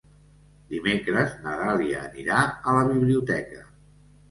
Dimecres na Dàlia anirà a la biblioteca.